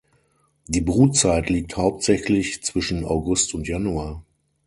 Die Brutzeit liegt hauptsächlich zwischen August und Januar.